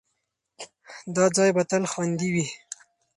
دا ځای به تل خوندي وي.